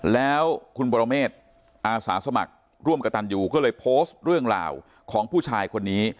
แล้วคุณปรเมษอาสาสมัครร่วมกับตันยูก็เลยโพสต์เรื่องราวของผู้ชายคนนี้